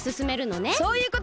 そういうこと！